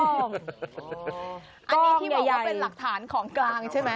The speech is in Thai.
อันนี้ที่บอกว่าเป็นหลักฐานของกลางใช่ไหม